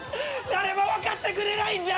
誰も分かってくれないんだ！